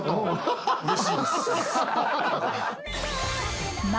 うれしいです。